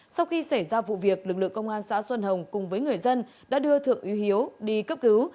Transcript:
sau khi xảy ra vụ việc lực lượng công an xã xuân hồng cùng với người dân đã đưa thượng úy hiếu đi cấp cứu